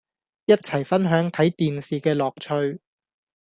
一齊分享睇電視嘅樂趣